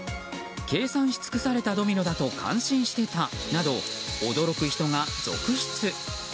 計算し尽くされたドミノだと感心してたなど驚く人が続出。